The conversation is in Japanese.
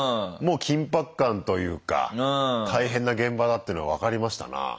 もう緊迫感というか大変な現場だっていうのは分かりましたな。